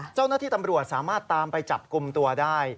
เจ้าหน้าที่ตำรวจสามารถตามไปจับกลุ่มตัวได้